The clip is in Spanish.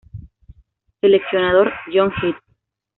Seleccionador: John Head